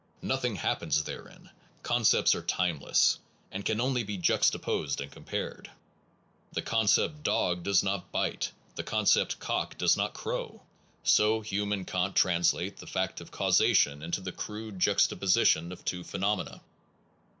Nothing happens therein: concepts are timeless, and can only be juxtaposed and compared. The concept dog does not bite; the concept cock does not crow. So Hume and Kant translate the fact of causation into the crude juxtaposition of two phenomena.